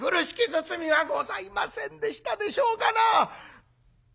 包みはございませんでしたでしょうかな」。